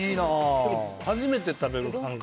初めて食べる感覚。